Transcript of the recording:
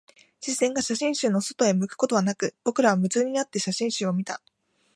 視線が写真集の外に向くことはなく、僕らは夢中になって写真集を見た